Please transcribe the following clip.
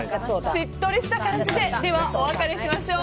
しっとりした感じでお別れしましょう。